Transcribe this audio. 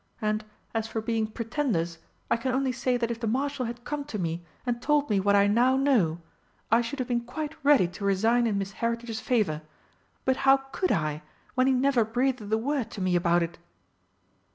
And, as for being pretenders, I can only say that if the Marshal had come to me and told me what I now know, I should have been quite ready to resign in Miss Heritage's favour. But how could I, when he never breathed a word to me about it?"